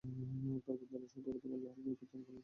তারপর দাঁড়িয়ে সর্বপ্রথম আল্লাহর গুণকীর্তণ করলেন।